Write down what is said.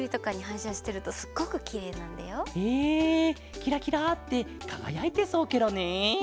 キラキラってかがやいてそうケロね。